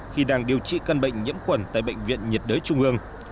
khi đang điều trị căn bệnh nhiễm khuẩn tại bệnh viện nhiệt đới trung ương